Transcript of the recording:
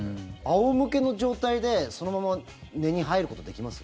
仰向けの状態でそのまま寝に入ることできます？